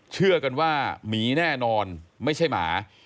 เชื่อกันว่าหมีแน่นอนไม่ใช่หมา